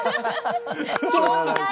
気持ちがいい。